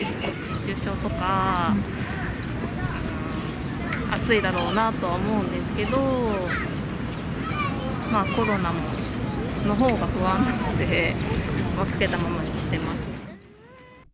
熱中症とか、暑いだろうなとは思うんですけど、まあ、コロナのほうが不安なので、着けたままにしてます。